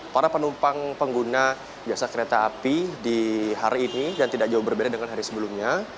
para penumpang pengguna jasa kereta api di hari ini dan tidak jauh berbeda dengan hari sebelumnya